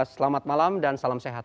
selamat malam dan salam sehat